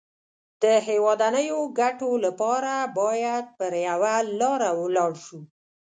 د هېوادنيو ګټو لپاره بايد پر يوه لاره ولاړ شو.